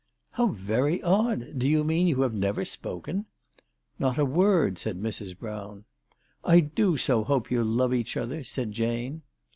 " How very odd ! Do you mean you have never spoken ?"" Not a word," said Mrs. Brown. "I do so hope you'll love each other," said Jane.